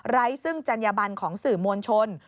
ซึ่งจัญญบันของสื่อมวลชน